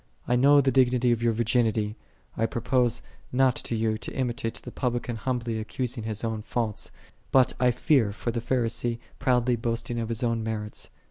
5 I know the dignity of thy virginity; I propose not to thee to imitate the Publican humbly accusing his own faults; but I fear for the Pharisee proudly boasting of his own merits.